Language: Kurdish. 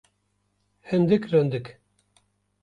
Hindik rindik.